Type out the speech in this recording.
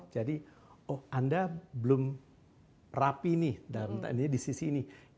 jadi oh anda belum rapi nih di sisi ini